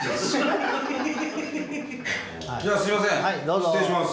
じゃあすみません失礼します。